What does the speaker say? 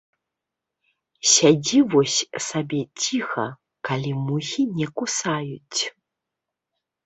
Сядзі вось сабе ціха, калі мухі не кусаюць.